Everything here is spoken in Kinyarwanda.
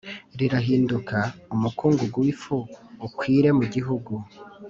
Rirahinduka umukungugu w ifu ukwire mu gihugu